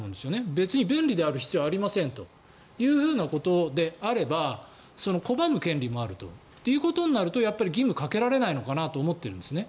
別に便利である必要はありませんというふうなことであれば拒む権利もあるということになると義務、かけられないのかなと思っているんですね。